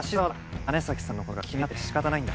姉崎さんのことが気になってしかたないんだ。